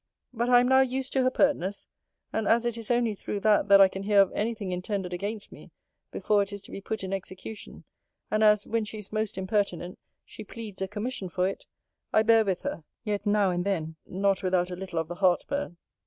But I am now used to her pertness: and as it is only through that that I can hear of any thing intended against me, before it is to be put in execution; and as, when she is most impertinent, she pleads a commission for it; I bear with her: yet, now and then, not without a little of the heart burn.